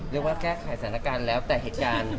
เรียกว่าแก้ไขสถานการณ์แล้วแต่เหตุการณ์